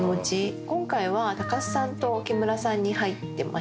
今回は高須さんと木村さんに入ってましたね。